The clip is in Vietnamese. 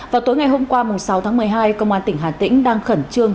vào tối ngày hôm qua sáu tháng một mươi hai công an tỉnh hà tĩnh đang khẩn trương